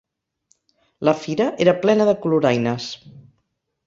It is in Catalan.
La fira era plena de coloraines.